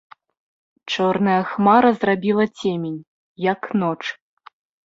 Чорная хмара зрабіла цемень, як ноч.